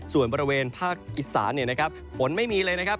ส่วนบริเวณภาคอิสราฝนไม่มีเลยนะครับ